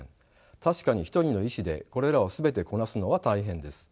確かに一人の医師でこれらを全てこなすのは大変です。